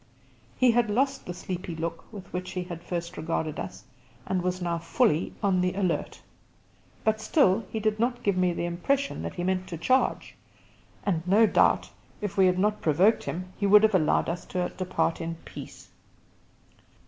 He had lost the sleepy look with which he had at first regarded us, and was now fully on the alert; but still he did not give me the impression that he meant to charge, and no doubt if we had not provoked him, he would have allowed us to depart in peace.